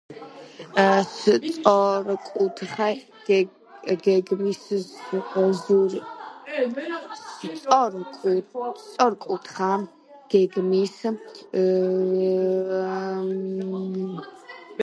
სწორკუთხა გეგმის ზურგიანი კოშკი, ნაგებია სხვადასხვა ზომის რიყის ქვით სქელ დუღაბზე.